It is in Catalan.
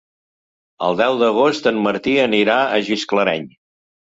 El deu d'agost en Martí anirà a Gisclareny.